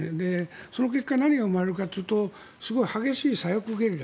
その結果、何が生まれるかというとすごい激しい左翼ゲリラ